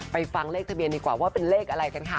ฟังเลขทะเบียนดีกว่าว่าเป็นเลขอะไรกันค่ะ